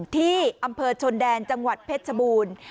ที่อำเภอชนแดนจังหวัดเพชรชบูรณ์